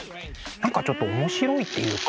何かちょっと面白いっていうか。